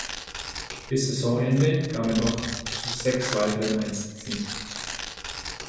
Bis Saisonende kam er noch zu sechs weiteren Einsätzen.